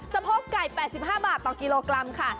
โพกไก่๘๕บาทต่อกิโลกรัมค่ะ